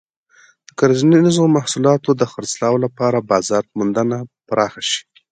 د کرنیزو محصولاتو د خرڅلاو لپاره بازار موندنه پراخه شي.